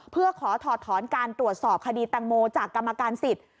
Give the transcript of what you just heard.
เพื่อขอถอดถอนการตรวจสอบคดีตังโมจากกรรมการสิทธิ์